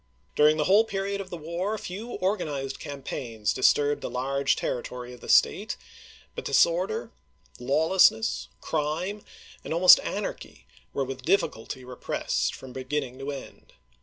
DuiiDg the whole period of the war few organized campaigns disturbed the large territory of the State ; but dis order, lawlessness, crime, and almost anarchy were with difficulty repressed from beginning to end.